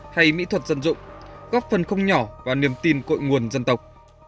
hay mỹ thuật dân dụng góp phần không nhỏ vào niềm tin cội nguồn dân tộc